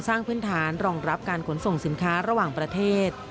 สร้างพื้นฐานรองรับการขนส่งสินค้าระหว่างประเทศ